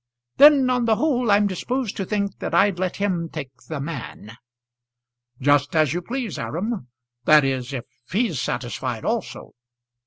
"Then on the whole I'm disposed to think that I'd let him take the man." "Just as you please, Aram. That is, if he's satisfied also."